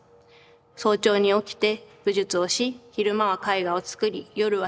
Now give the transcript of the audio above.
早朝に起きて武術をし昼間は絵画を作り夜は笙を吹く。